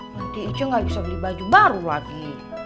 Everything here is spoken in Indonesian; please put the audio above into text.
nanti icu nggak bisa beli baju baru lagi